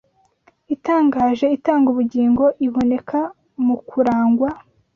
itangaje itanga ubugingo iboneka mu kurangwa